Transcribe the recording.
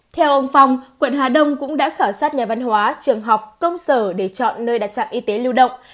theo ông phong quận hà đông cũng đã khảo sát nhà văn hóa trường học công sở để chọn nơi đặt trạm y tế lưu động